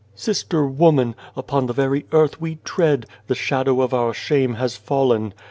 " Sister woman, upon the very earth we tread, the shadow of our shame has fallen.